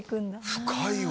深いわ。